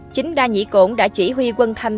chính đa nhĩ cổn đã chỉ huy quân thanh